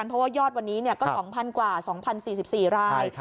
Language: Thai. เพราะว่ายอดวันนี้ก็๒๐๐กว่า๒๐๔๔ราย